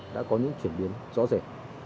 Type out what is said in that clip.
đã có những chuyển biến rõ rẻ